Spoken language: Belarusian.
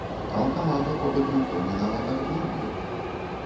А ў каманду па бадмінтоне нават адбор быў!